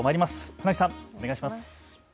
船木さん、お願いします。